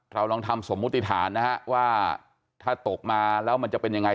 เราลองทำสมมุติฐานนะฮะว่าถ้าตกมาแล้วมันจะเป็นยังไง